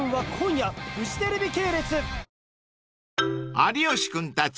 ［有吉君たち